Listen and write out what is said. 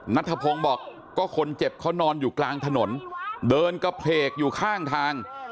นัทธพงศ์บอกก็คนเจ็บเขานอนอยู่กลางถนนเดินกระเพลกอยู่ข้างทาง